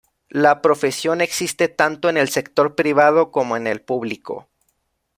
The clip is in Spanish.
La profesión existe tanto en el sector privado como en el público.